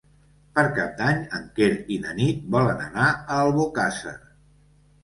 Per Cap d'Any en Quer i na Nit volen anar a Albocàsser.